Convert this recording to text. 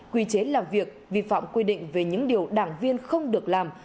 quy chế làm việc vi phạm quy định về những điều đảng viên không được làm